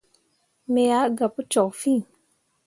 Me ah gah pu cok fîi.